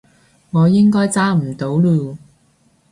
我應該揸唔到嚕